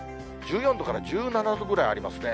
１４度から１７度ぐらいありますね。